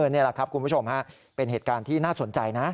นี่แหละครับคุณผู้ชมฮะเป็นเหตุการณ์ที่น่าสนใจนะ